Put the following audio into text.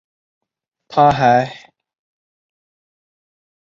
她还出版了另外三部小说。